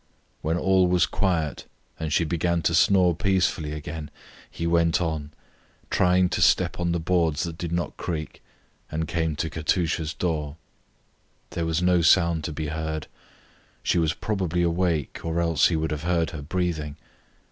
When all was quiet and she began to snore peacefully again, he went on, trying to step on the boards that did not creak, and came to Katusha's door. There was no sound to be heard. She was probably awake, or else he would have heard her breathing.